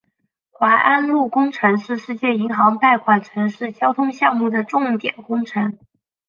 槐安路工程是世界银行贷款城市交通项目的重点工程。